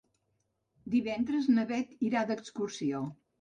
Divendres na Beth irà d'excursió.